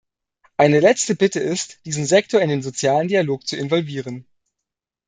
Eine letzte Bitte ist, diesen Sektor in den sozialen Dialog zu involvieren.